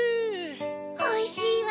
おいしいわ。